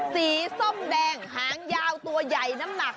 ส้มแดงหางยาวตัวใหญ่น้ำหนัก